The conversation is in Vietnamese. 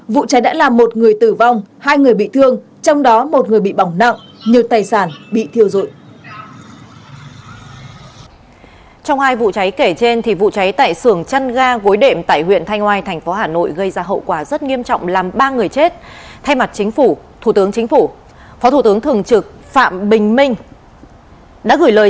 vụ cháy đã làm một người tử vong hai người bị thương trong đó một người bị bỏng nặng nhiều tài sản bị thiêu dội